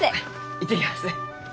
行ってきます。